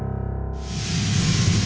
aku akan menang